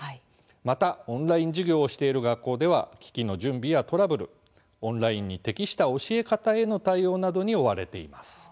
またオンライン授業をしている学校では機器の準備やトラブル、オンラインに適した教え方への対応に追われています。